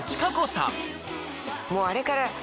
もうあれから。